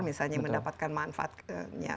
misalnya mendapatkan manfaatnya